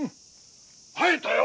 会えたよ